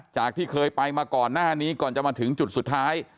จากที่เคยไปมาก่อนหน้านี้ก่อนจะมาถึงจุดสุดท้าย